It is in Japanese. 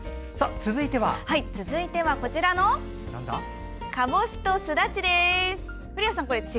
続いてはかぼすと、すだちです。